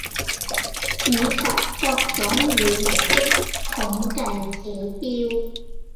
以及各種語言的統計指標